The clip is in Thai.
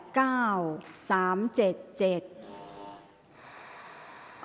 ออกรางวัลที่๖